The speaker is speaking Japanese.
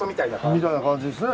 みたいな感じですね。